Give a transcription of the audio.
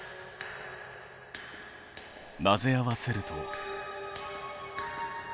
混ぜ合わせると。